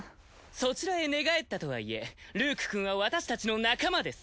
そちらへ寝返ったとはいえルークくんは私たちの仲間です。